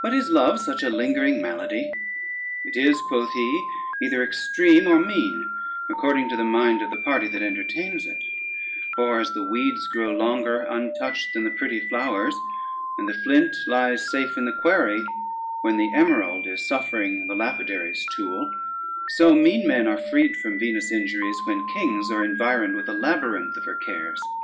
But is love such a lingering malady?" "It is," quoth he, "either extreme or mean, according to the mind of the party that entertains it; for, as the weeds grow longer untouched than the pretty flowers, and the flint lies safe in the quarry when the emerald is suffering the lapidary's tool, so mean men are freed from Venus' injuries, when kings are environed with a labyrinth of her cares.